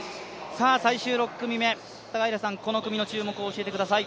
最終６組目、この組の注目を教えてください。